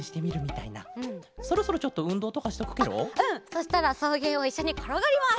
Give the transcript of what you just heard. そしたらそうげんをいっしょにころがります！